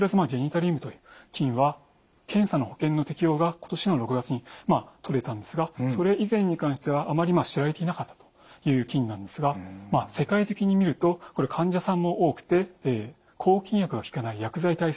タリウムという菌は検査の保険の適用が今年の６月に取れたんですがそれ以前に関してはあまり知られていなかったという菌なんですが世界的に見るとこれ患者さんも多くて抗菌薬が効かない薬剤耐性菌。